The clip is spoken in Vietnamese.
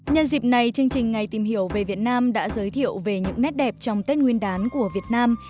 nhân dịp này chương trình ngày tìm hiểu về việt nam đã giới thiệu về những nét đẹp trong tết nguyên đán của việt nam